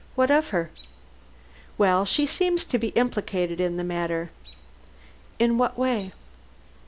What of her?" "Well, she seems to be implicated in the matter." "In what way?"